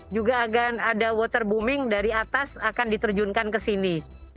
juga agar ada water booming dari atas akan diterjunkan ke sini